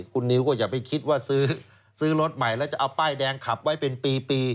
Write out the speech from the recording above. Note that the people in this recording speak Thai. คุณนิวก็อย่าไปคิดว่าซื้อรถใหม่แล้วจะเอาป้ายแดงขับไว้เป็นปี